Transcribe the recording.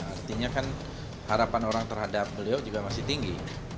artinya kan harapan orang terhadap beliau juga masih tinggi